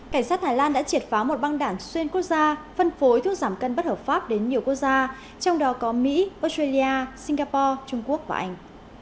cảnh sát thái lan đã triệt phá một băng đảng xuyên quốc gia phân phối thuốc giảm cân bất hợp pháp đến nhiều quốc gia trong đó có mỹ australia singapore trung quốc và anh